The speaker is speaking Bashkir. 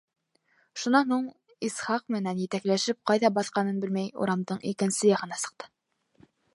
Шунан һуң ул, Исхаҡ менән етәкләшеп, ҡайҙа баҫҡанын белмәй, урамдың икенсе яғына сыҡты.